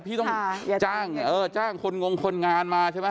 พี่ต้องจ้างไงเออจ้างคนงงคนงานมาใช่ไหม